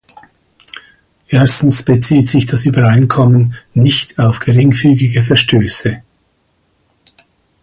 Erstens bezieht sich das Übereinkommen nicht auf geringfügige Verstöße.